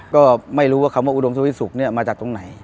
ก็ไม่รู้ว่าคำว่าอุดมสวิสุกมาจากตรงไหน